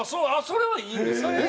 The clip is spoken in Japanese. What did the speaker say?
それはいいんですね。